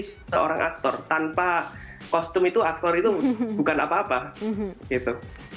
ini ber faktor beberapa didalam peristiwa ini bagaimana positionnya